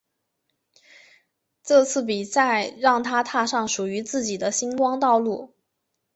这次比赛让她踏上属于自己的星光道路。